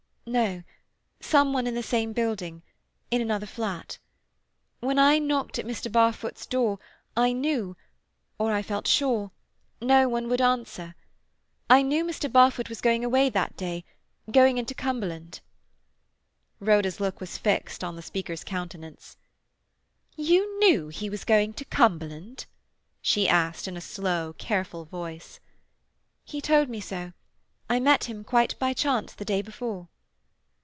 "No. Some one in the same building; in another flat. When I knocked at Mr. Barfoot's door, I knew—or I felt sure—no one would answer. I knew Mr. Barfoot was going away that day—going into Cumberland." Rhoda's look was fixed on the speaker's countenance. "You knew he was going to Cumberland?" she asked in a slow, careful voice. "He told me so. I met him, quite by chance, the day before."